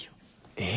えっ？